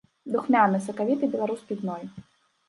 Духмяны, сакавіты беларускі гной.